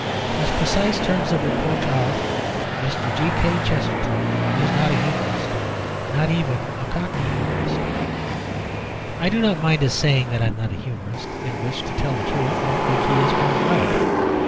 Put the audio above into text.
His precise terms of reproach are, "Mr. G. K. Chesterton is not a humourist: not even a Cockney humourist." I do not mind his saying that I am not a humourist in which (to tell the truth) I think he is quite right.